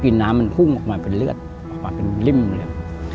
คือน้ำมันพุ่งออกมาเป็นเลือดออกมาเป็นริ่มเลย